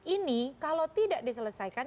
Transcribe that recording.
ini kalau tidak diselesaikan